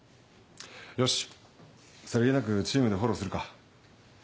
よしさりげなくチームでフォローするか。